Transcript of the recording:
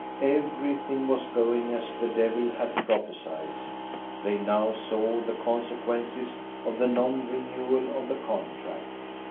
Everything was going as the devil had prophesied. They now saw the consequences of the non renewal of the contract.